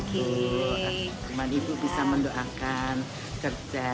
cuma ibu bisa mendoakan kerja